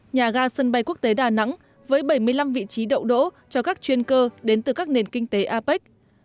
nhà ga sân bay quốc tế đà nẵng với bảy mươi năm vị trí đậu đỗ cho các chuyên cơ đến từ các nền kinh tế apec